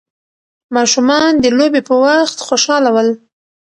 ماشومان د لوبې په وخت خوشحاله ول.